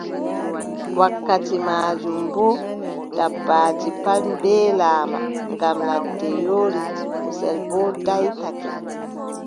Wakkati maajum boo, dabbaaji pat mbeelaama ngam ladde yoori, kusel boo daaytake.